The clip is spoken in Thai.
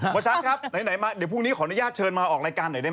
ชัดครับไหนมาเดี๋ยวพรุ่งนี้ขออนุญาตเชิญมาออกรายการหน่อยได้ไหม